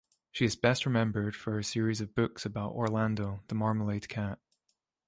She is best remembered for her series of books about Orlando the Marmalade Cat.